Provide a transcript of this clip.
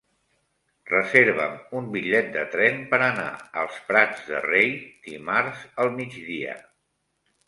Reserva'm un bitllet de tren per anar als Prats de Rei dimarts al migdia.